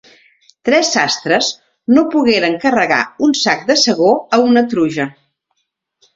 Tres sastres no pogueren carregar un sac de segó a una truja.